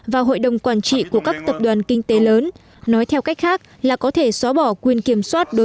và hội đồng quản trị của các tập đoàn kinh tế lớn nói theo cách khác là có thể xóa bỏ quyền kiểm soát đối